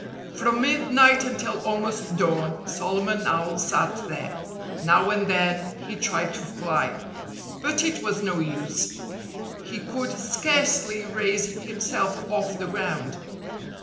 From midnight until almost dawn Solomon Owl sat there. Now and then he tried to fly. But it was no use. He could scarcely raise himself off the ground.